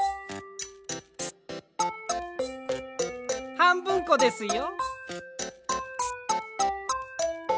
はんぶんこですよ。